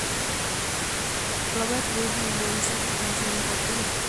Robert Wilhelm Bunsen nació en Gotinga.